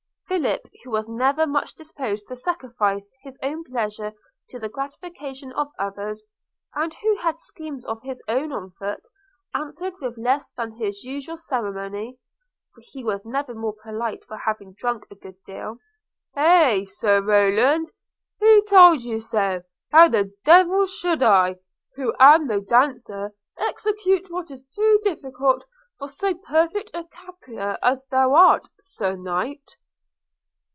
Philip, who was never much disposed to sacrifice his own pleasure to the gratification of others, and who had schemes of his own on foot, answered with less than his usual ceremony (for he was never more polite for having drunk a good deal): 'A‚hey, Sir Rowland! who told you so? How the devil should I, who am no dancer, execute what is too difficult for so perfect a caperer as thou art – Sir Knight?'